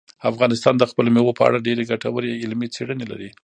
افغانستان د خپلو مېوو په اړه ډېرې ګټورې علمي څېړنې لري.